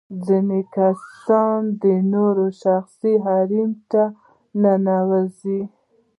ځينې کسان د نورو شخصي حريم ته ورننوزي.